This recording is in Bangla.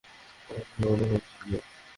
আমরা অন্যভাবে চলে যাব।